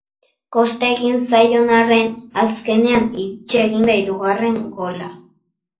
Kosta egin zaion arren, azkenean iritsi egin da hirugarren gola.